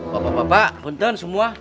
bapak bapak punten semua